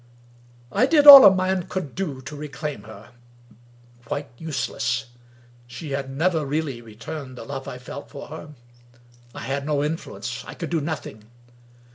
I did all a man could do to reclaim her. Quite useless! She had never really returned the love I felt for her: I had no influence ; I could do nothing.